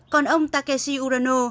còn ông takeshi urano